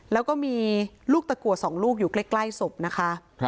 แล้วก็มีลูกตะกัว๒ลูกอยู่ใกล้ศพนะคะ